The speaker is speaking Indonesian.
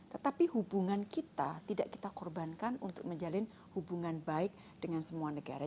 tetapi hubungan kita tidak kita korbankan untuk menjalin hubungan baik dengan semua negara